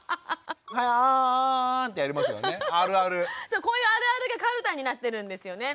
そうこういう「あるある」がカルタになってるんですよね。